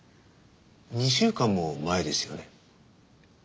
２週間も前ですよね？